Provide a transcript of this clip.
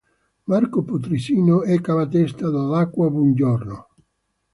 Marco-Putrisino e Cava Testa dell'acqua-Buongiorno.